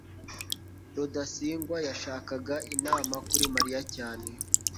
rudasingwa yashakaga inama kuri mariya cyane